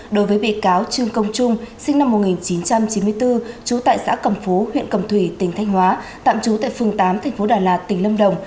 đối với bị cáo trương công trung sinh năm một nghìn chín trăm chín mươi bốn trú tại xã cầm phú huyện cầm thủy tỉnh thanh hóa tạm trú tại phường tám tp đà lạt tỉnh lâm đồng